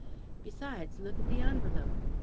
Besides, look at the envelope: 'M.